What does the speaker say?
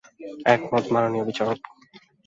একমত, মাননীয় বিচারক।